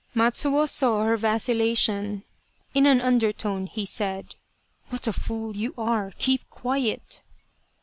Matsuo saw her vacillation. In an undertone, he said :" What a fool you are ! Keep quiet